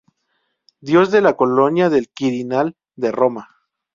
Dios de la colina del Quirinal de Roma.